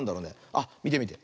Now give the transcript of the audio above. あっみてみて。